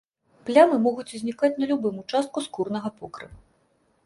Плямы могуць узнікаць на любым участку скурнага покрыва.